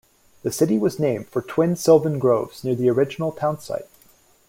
The city was named for twin sylvan groves near the original town site.